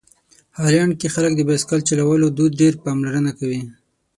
هالنډ کې خلک د بایسکل چلولو دود ډېره پاملرنه کوي.